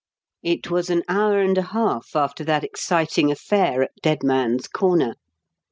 It was an hour and a half after that exciting affair at "Dead Man's Corner."